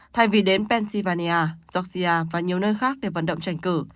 thay vì đến pennsylvania georgia và nhiều nơi khác để vận động tranh cử